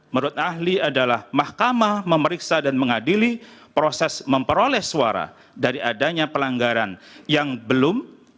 menurut ahli adalah mahkamah memeriksa dan mengadili proses memperoleh suara dari adanya pelanggaran yang belum